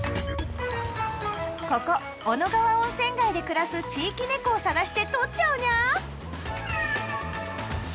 ここ小野川温泉街で暮らす地域猫を探して撮っちゃうニャー！